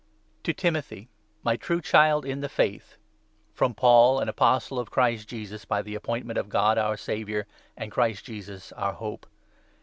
To Timothy, my true Child in the Faith, i, 2 FROM Paul, an Apostle of Christ Jesus by the appointment of God, our Saviour, and Christ Jesus, our Hope.